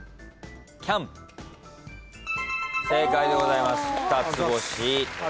正解でございます。